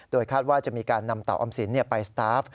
คาดว่าจะมีการนำเต่าออมสินไปสตาฟ